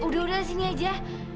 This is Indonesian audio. udah udah sini aja